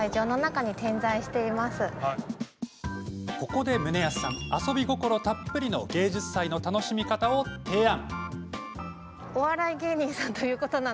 ここで棟保さん遊び心たっぷりの芸術祭の楽しみ方を提案。